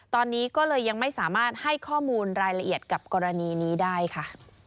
ตอนนี้ก็เลยยังไม่สามารถให้ข้อมูลรายละเอียดกับกรณีนี้ได้ค่ะ